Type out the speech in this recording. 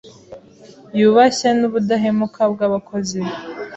yubashye n'ubudahemuka bw'abakozi be.